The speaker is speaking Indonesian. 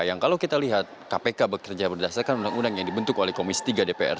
yang kalau kita lihat kpk bekerja berdasarkan undang undang yang dibentuk oleh komisi tiga dpr